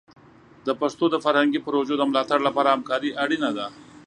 د پښتو د فرهنګي پروژو د ملاتړ لپاره همکاري اړینه ده.